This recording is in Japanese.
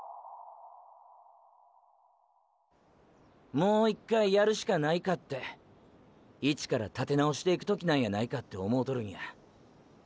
もう１回やるしかないかってイチから建て直していく時なんやないかって思うとるんや。